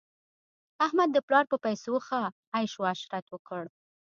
احمد د پلا په پیسو ښه عش عشرت وکړ.